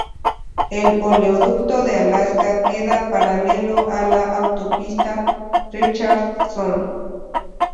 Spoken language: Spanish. El Oleoducto de Alaska queda paralelo a la autopista Richardson.